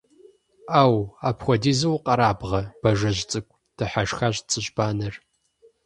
– Ӏэу! Апхуэдизу укъэрабгъэ, Бажэжь цӀыкӀу, – дыхьэшхащ Цыжьбанэр.